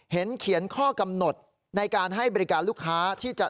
เห็นเขียนข้อกำหนดในการให้บริการลูกค้า